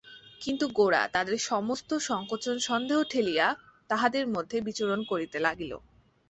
কিন্তু গোরা তাহাদের সমস্ত সংকোচ-সন্দেহ ঠেলিয়া তাহাদের মধ্যে বিচরণ করিতে লাগিল।